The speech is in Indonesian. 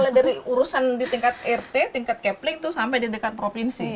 mulai dari urusan di tingkat rt tingkat kepling itu sampai di tingkat provinsi